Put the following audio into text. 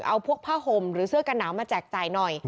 เอาพวกผ้าห่มหรือเสื้อกันหนาวมาแจกจ่ายหน่อย